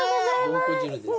どんこ汁です。